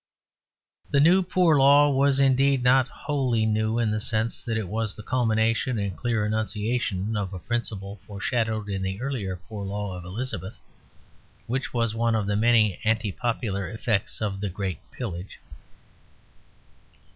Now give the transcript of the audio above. The New Poor Law was indeed not wholly new in the sense that it was the culmination and clear enunciation of a principle foreshadowed in the earlier Poor Law of Elizabeth, which was one of the many anti popular effects of the Great Pillage.